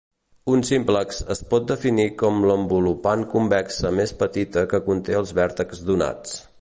Un símplex es pot definir com l'envolupant convexa més petita que conté els vèrtexs donats.